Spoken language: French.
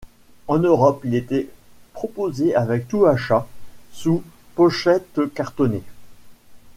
En Europe, il était proposé avec tout achat, sous pochette cartonnée.